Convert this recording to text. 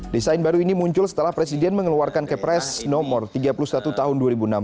desain baru ini muncul setelah presiden mengeluarkan kepres nomor tiga puluh satu tahun dua ribu enam belas